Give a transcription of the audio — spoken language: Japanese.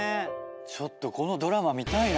ちょっとこのドラマ見たいな。